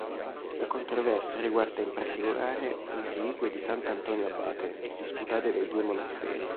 La controversia riguarda in particolare le reliquie di sant'Antonio abate, disputate dai due monasteri.